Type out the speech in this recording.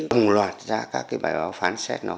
đồng loạt ra các bài báo phán xét